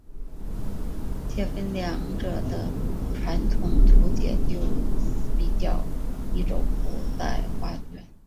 介分两者的传统图解就似比较一轴古代画卷。